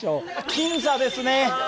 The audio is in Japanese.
僅差ですね。